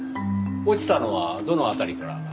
落ちたのはどの辺りから？